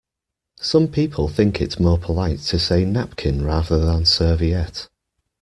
Some people think it more polite to say napkin rather than serviette